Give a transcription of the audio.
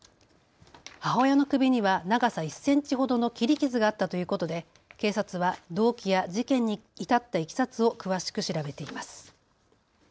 母親の首には長さ１センチほどの切り傷があったということで警察は動機や事件に至ったいきさつを詳しく調べています。